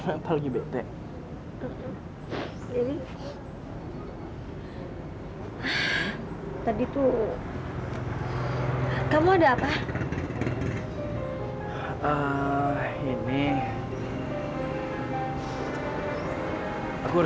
sampai jumpa di video selanjutnya